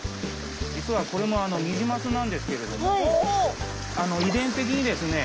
実はこれもニジマスなんですけれども遺伝的にですね